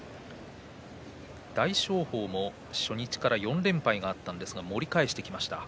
大翔鵬も初日から４連敗がありましたが盛り返してきました。